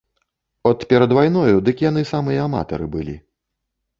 От перад вайною, дык яны самыя аматары былі.